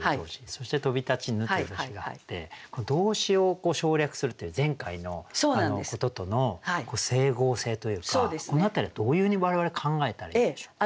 そして「飛び立ちぬ」という動詞が入って動詞を省略するっていう前回のこととの整合性というかこの辺りはどういうふうに我々考えたらいいでしょう？